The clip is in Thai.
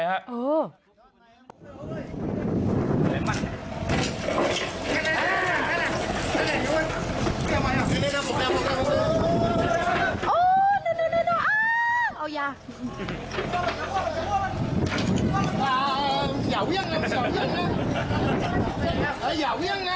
เยาหรือยังล่ะเยาหรือยังล่ะ